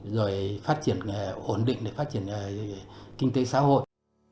rồi phát triển nghề ổn định để phát triển kinh tế xã hội